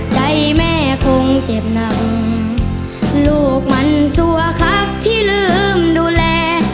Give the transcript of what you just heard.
ใจแม่คงเจ็บหนักลูกมันสั่วคักที่ลืมดูแล